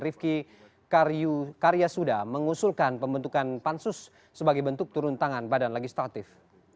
rifki karyasuda mengusulkan pembentukan pansus sebagai bentuk turun tangan badan legislatif